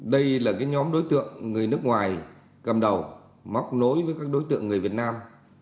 đây là nhóm đối tượng người nước ngoài cầm đầu móc nối với các đối tượng người việt nam